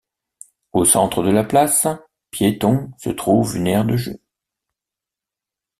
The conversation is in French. Au centre de la place, piéton se trouve une aire de jeu.